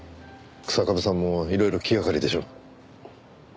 日下部さんもいろいろ気がかりでしょう。